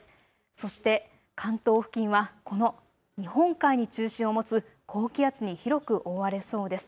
そして関東付近はこの日本海に中心を持つ高気圧に広く覆われそうです。